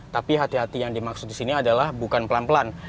tapi hati hati yang dimaksud di sini adalah bukan pelan pelan